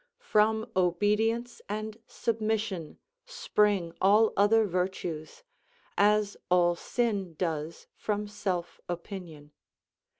From obedience and submission spring all other virtues, as all sin does from selfopinion.